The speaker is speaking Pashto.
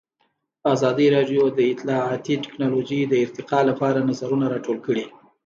ازادي راډیو د اطلاعاتی تکنالوژي د ارتقا لپاره نظرونه راټول کړي.